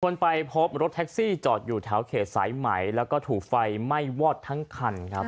คนไปพบรถแท็กซี่จอดอยู่แถวเขตสายไหมแล้วก็ถูกไฟไหม้วอดทั้งคันครับ